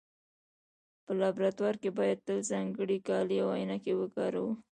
په لابراتوار کې باید تل ځانګړي کالي او عینکې وکاروو.